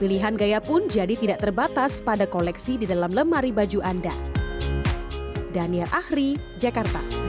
pilihan gaya pun jadi tidak terbatas pada koleksi di dalam lemari baju anda